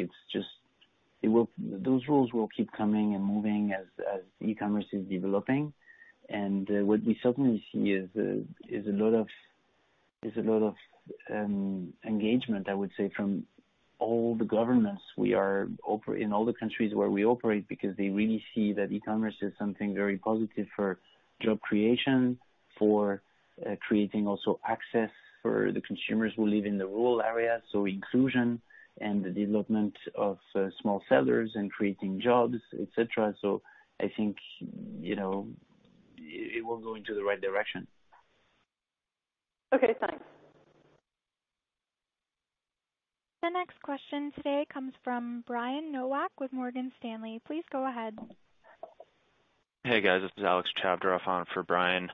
those rules will keep coming and moving as e-commerce is developing. What we certainly see is there's a lot of engagement, I would say, from all the governments in all the countries where we operate, because they really see that e-commerce is something very positive for job creation, for creating also access for the consumers who live in the rural areas, so inclusion and the development of small sellers and creating jobs, et cetera. I think, it will go into the right direction. Okay, thanks. The next question today comes from Brian Nowak with Morgan Stanley. Please go ahead. Hey, guys. This is Alex Chavdaroff on for Brian.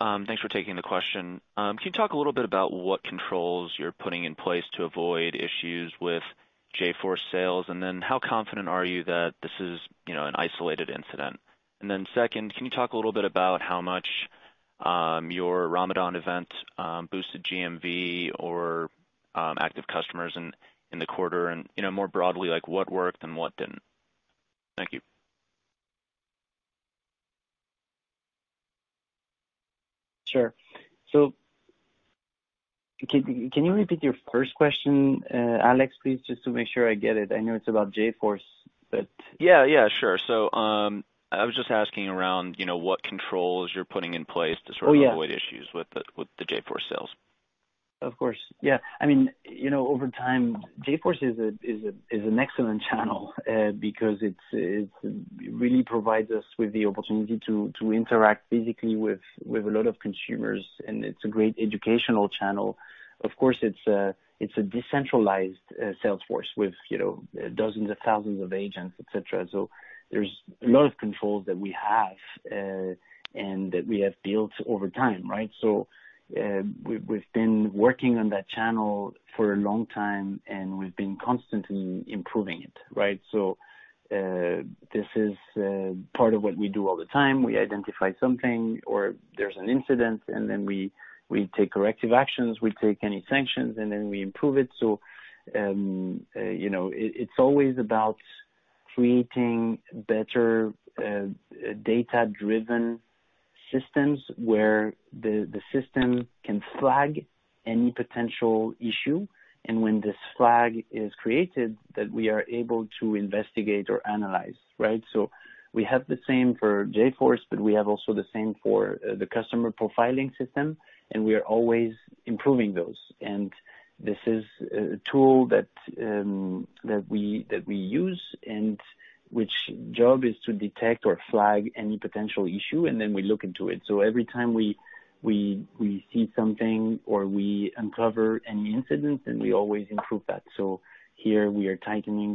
Thanks for taking the question. Can you talk a little bit about what controls you're putting in place to avoid issues with JForce sales? How confident are you that this is an isolated incident? Second, can you talk a little bit about how much your Ramadan event boosted GMV or active customers in the quarter and, more broadly, what worked and what didn't? Thank you. Sure. Can you repeat your first question, Alex, please, just to make sure I get it? I know it's about JForce, but. Yeah, sure. I was just asking around what controls you're putting in place to sort of- Oh, yeah. avoid issues with the JForce sales. Of course. Yeah. Over time, JForce is an excellent channel because it really provides us with the opportunity to interact physically with a lot of consumers, and it's a great educational channel. Of course, it's a decentralized sales force with dozens of thousands of agents, et cetera. There's a lot of controls that we have, and that we have built over time, right? We've been working on that channel for a long time, and we've been constantly improving it, right? This is part of what we do all the time. We identify something, or there's an incident, and then we take corrective actions, we take any sanctions, and then we improve it. It's always about creating better data-driven systems where the system can flag any potential issue. When this flag is created, that we are able to investigate or analyze, right? We have the same for JForce, but we have also the same for the customer profiling system, and we are always improving those. This is a tool that we use and which job is to detect or flag any potential issue, and then we look into it. Every time we see something or we uncover any incident, then we always improve that. Here we are tightening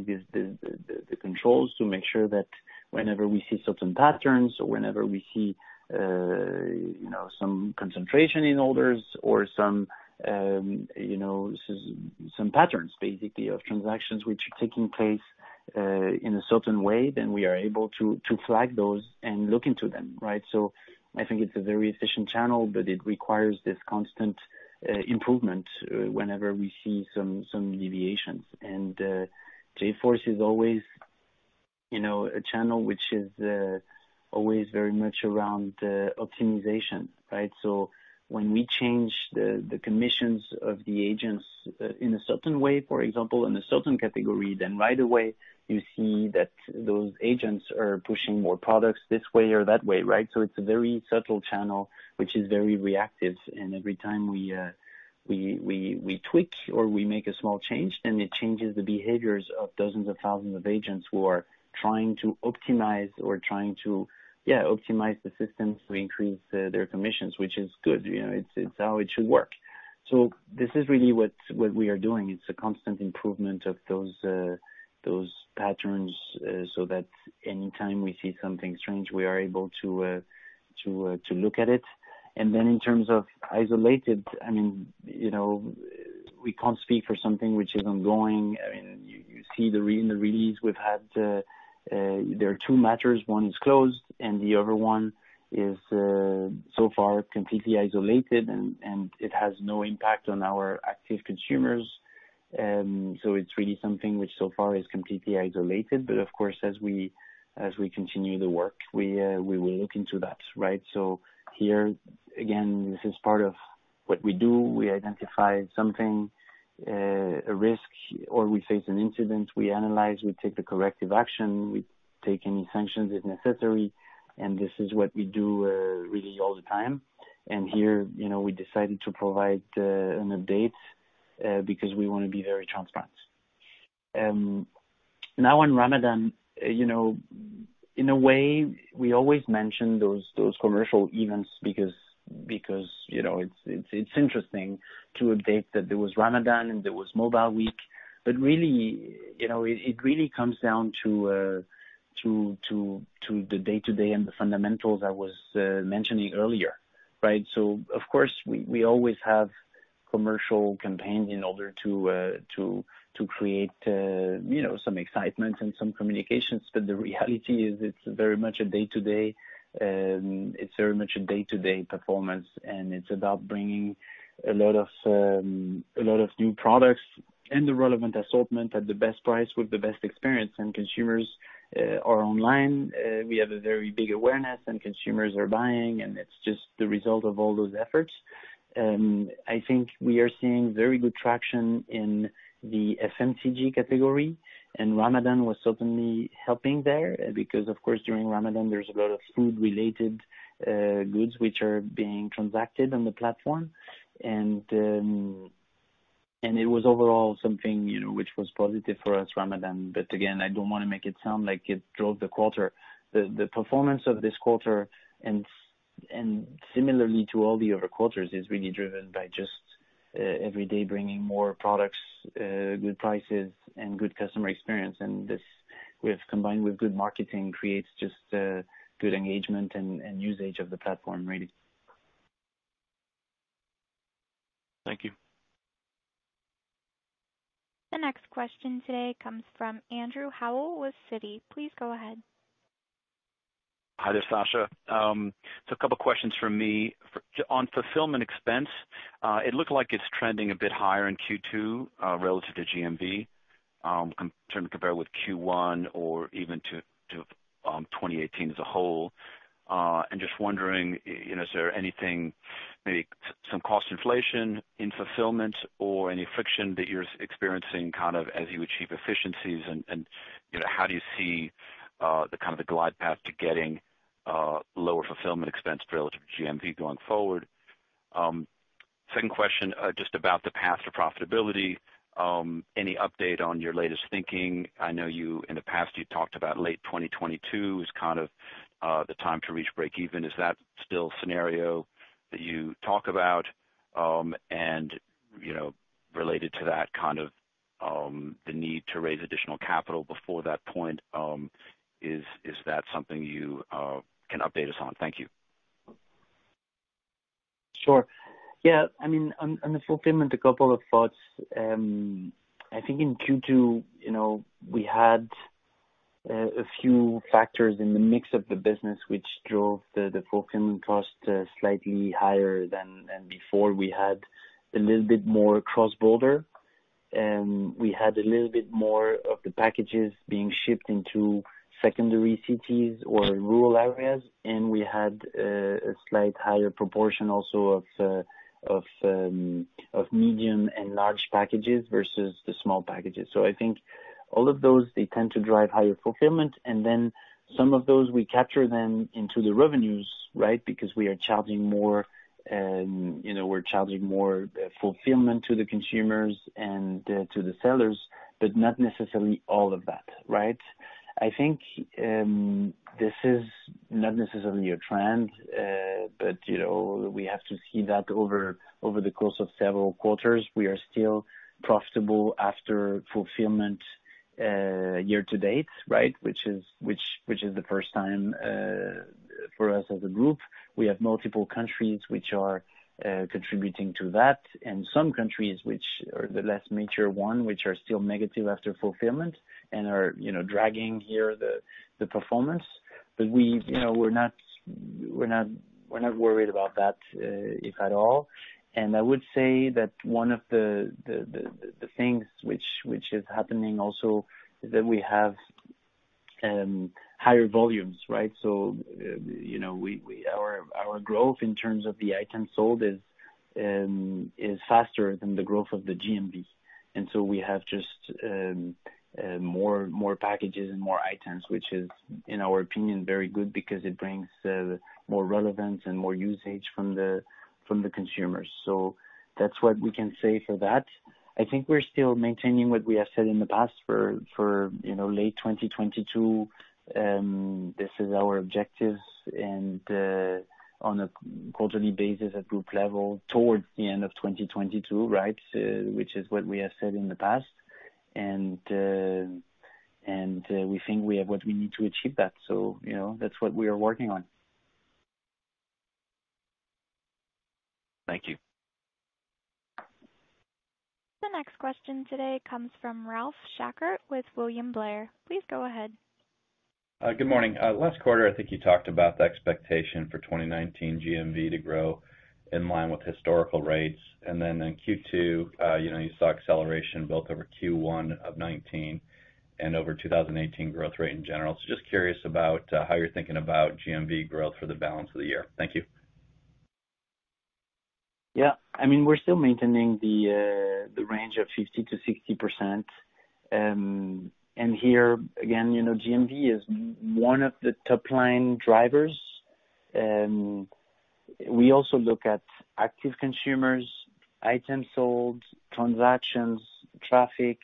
the controls to make sure that whenever we see certain patterns or whenever we see some concentration in orders or some patterns, basically, of transactions which are taking place in a certain way, then we are able to flag those and look into them, right? I think it's a very efficient channel, but it requires this constant improvement whenever we see some deviations. JForce is always a channel which is always very much around optimization, right? When we change the commissions of the agents in a certain way, for example, in a certain category, then right away you see that those agents are pushing more products this way or that way, right? It's a very subtle channel, which is very reactive. Every time we tweak or we make a small change, then it changes the behaviors of dozens of thousands of agents who are trying to optimize or trying to, yeah, optimize the system to increase their commissions, which is good. It's how it should work. This is really what we are doing. It's a constant improvement of those patterns so that any time we see something strange, we are able to look at it. Then in terms of isolated, we can't speak for something which is ongoing. You see in the release we've had, there are two matters. One is closed, and the other one is so far completely isolated, and it has no impact on our active consumers. It's really something which so far is completely isolated. Of course, as we continue the work, we will look into that, right? Here, again, this is part of what we do. We identify something, a risk, or we face an incident. We analyze, we take the corrective action, we take any sanctions if necessary, and this is what we do really all the time. Here, we decided to provide an update because we want to be very transparent. Now on Ramadan, in a way, we always mention those commercial events because it's interesting to update that there was Ramadan and there was Mobile Week. It really comes down to the day-to-day and the fundamentals I was mentioning earlier, right? Of course, we always have commercial campaigns in order to create some excitement and some communications. The reality is it's very much a day-to-day performance, and it's about bringing a lot of new products and the relevant assortment at the best price with the best experience, and consumers are online. We have a very big awareness, and consumers are buying, and it's just the result of all those efforts. I think we are seeing very good traction in the FMCG category, and Ramadan was certainly helping there because, of course, during Ramadan, there's a lot of food-related goods which are being transacted on the platform. It was overall something which was positive for us, Ramadan. Again, I don't want to make it sound like it drove the quarter. The performance of this quarter, and similarly to all the other quarters, is really driven by just every day bringing more products, good prices, and good customer experience. This, combined with good marketing, creates just good engagement and usage of the platform, really. Thank you. The next question today comes from Andrew Howell with Citi. Please go ahead. Hi there, Sacha. A couple of questions from me. On fulfillment expense, it looked like it's trending a bit higher in Q2 relative to GMV compared with Q1 or even to 2018 as a whole. Just wondering, is there anything, maybe some cost inflation in fulfillment or any friction that you're experiencing as you achieve efficiencies, and how do you see the glide path to getting lower fulfillment expense relative to GMV going forward? Second question, just about the path to profitability. Any update on your latest thinking? I know in the past, you talked about late 2022 as the time to reach breakeven. Is that still the scenario that you talk about? Related to that, the need to raise additional capital before that point, is that something you can update us on? Thank you. Sure. On the fulfillment, a couple of thoughts. I think in Q2, we had a few factors in the mix of the business which drove the fulfillment cost slightly higher than before. We had a little bit more cross-border, we had a little bit more of the packages being shipped into secondary cities or rural areas, we had a slight higher proportion also of medium and large packages versus the small packages. I think all of those, they tend to drive higher fulfillment, and then some of those, we capture them into the revenues. We are charging more fulfillment to the consumers and to the sellers, but not necessarily all of that. I think this is not necessarily a trend, we have to see that over the course of several quarters. We are still profitable after fulfillment year-to-date, which is the first time for us as a group. We have multiple countries which are contributing to that, and some countries which are the less mature ones, which are still negative after fulfillment and are dragging here the performance. We're not worried about that, if at all. I would say that one of the things which is happening also is that we have higher volumes. Our growth in terms of the items sold is faster than the growth of the GMV. We have just more packages and more items, which is, in our opinion, very good because it brings more relevance and more usage from the consumers. That's what we can say for that. I think we're still maintaining what we have said in the past for late 2022. This is our objective. On a quarterly basis at group level towards the end of 2022, which is what we have said in the past. We think we have what we need to achieve that. That's what we are working on. Thank you. The next question today comes from Ralph Schackart with William Blair. Please go ahead. Good morning. Last quarter, I think you talked about the expectation for 2019 GMV to grow in line with historical rates. Then in Q2, you saw acceleration both over Q1 of 2019 and over 2018 growth rate in general. Just curious about how you're thinking about GMV growth for the balance of the year. Thank you. Yeah. We're still maintaining the range of 50% to 60%. Here, again, GMV is one of the top-line drivers. We also look at active consumers, items sold, transactions, traffic,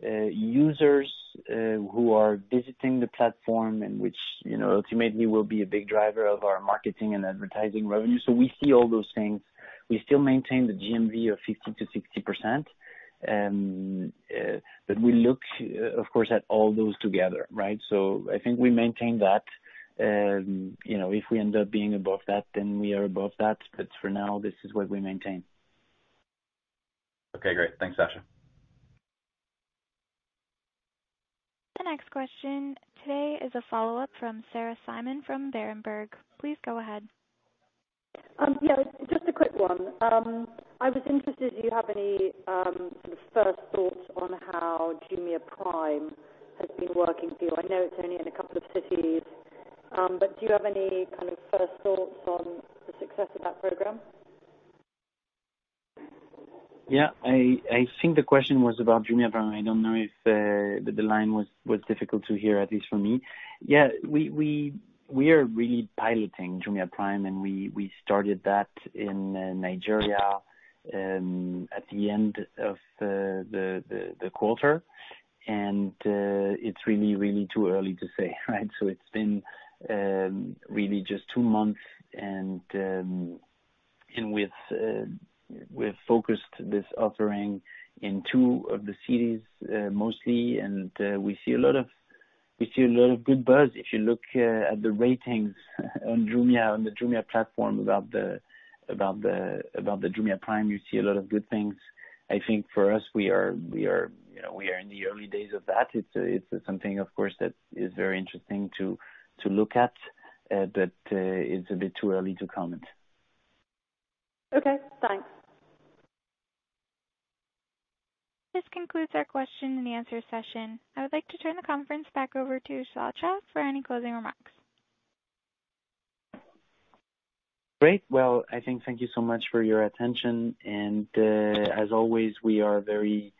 users who are visiting the platform, and which ultimately will be a big driver of our marketing and advertising revenue. We see all those things. We still maintain the GMV of 50% to 60%, we look, of course, at all those together. I think we maintain that. If we end up being above that, then we are above that. For now, this is what we maintain. Okay, great. Thanks, Sacha. The next question today is a follow-up from Sarah Simon from Berenberg. Please go ahead. Yeah, just a quick one. I was interested, do you have any sort of first thoughts on how Jumia Prime has been working for you? I know it's only in a couple of cities, but do you have any kind of first thoughts on the success of that program? I think the question was about Jumia Prime. I don't know if the line was difficult to hear, at least for me. We are really piloting Jumia Prime, and we started that in Nigeria at the end of the quarter. It's really too early to say. It's been really just two months, and we've focused this offering in two of the cities, mostly, and we see a lot of good buzz. If you look at the ratings on the Jumia platform about the Jumia Prime, you see a lot of good things. For us, we are in the early days of that. It's something, of course, that is very interesting to look at, but it's a bit too early to comment. Okay, thanks. This concludes our question and answer session. I would like to turn the conference back over to Sacha for any closing remarks. Great. Well, I think thank you so much for your attention. As always, we are very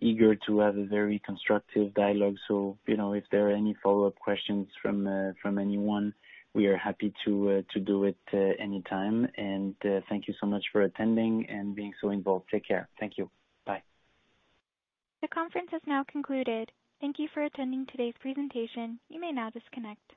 eager to have a very constructive dialogue. If there are any follow-up questions from anyone, we are happy to do it anytime. Thank you so much for attending and being so involved. Take care. Thank you. Bye. The conference has now concluded. Thank you for attending today's presentation. You may now disconnect.